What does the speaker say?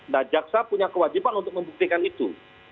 nah jaksa punya kewajiban untuk membuktikan itu